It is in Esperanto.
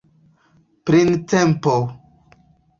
printempo